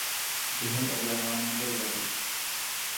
Během obléhání byl zabit.